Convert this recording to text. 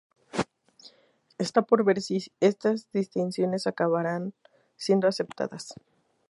Está por ver si estas distinciones acabarán siendo aceptadas.